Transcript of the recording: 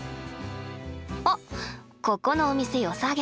あっここのお店よさげ！